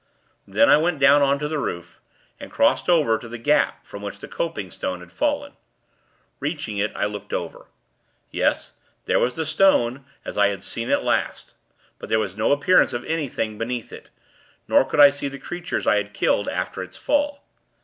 Then, I went down on to the roof, and crossed over to the gap from which the coping stone had fallen. Reaching it, I looked over. Yes, there was the stone, as I had seen it last; but there was no appearance of anything beneath it; nor could I see the creatures I had killed, after its fall.